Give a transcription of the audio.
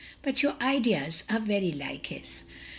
But your ideas are very like his.